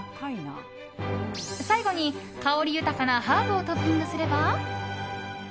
最後に、香り豊かなハーブをトッピングすれば。